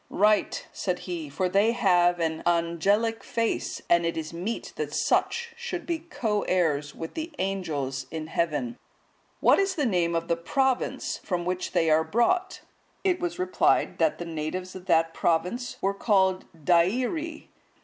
"Right," said he, "for they have an angelic face, and it is meet that such should be co heirs with the Angels in heaven. What is the name of the province from which they are brought?" It was replied, that the natives of that province were called Deiri.